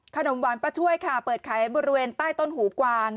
ขนมหวานป้าช่วยค่ะเปิดขายบริเวณใต้ต้นหูกวาง